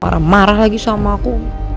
marah marah lagi sama aku